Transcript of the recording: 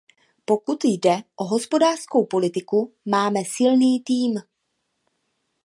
Pokud jde o hospodářskou politiku, mále silný tým.